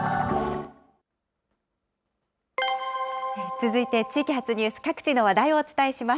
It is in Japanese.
続いて地域発ニュース、各地の話題をお伝えします。